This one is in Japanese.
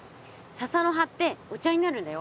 笹の葉ってお茶になるんだよ。